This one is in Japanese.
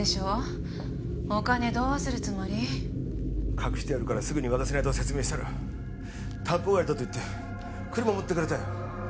隠してあるからすぐに渡せないと説明したら担保代わりだと言って車持っていかれたよ。